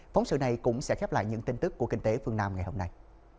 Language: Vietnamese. phóng sự này cũng sẽ khép lại những tin tức của kinh tế phương nam ngày hôm nay